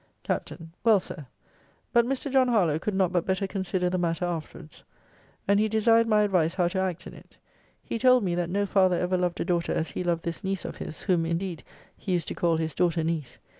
Capt. 'Well, Sir; but Mr. John Harlowe could not but better consider the matter afterwards. And he desired my advice how to act in it. He told me that no father ever loved a daughter as he loved this niece of his; whom, indeed, he used to call his daughter niece.